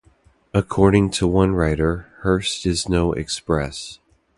According to one writer, Hurst is no express.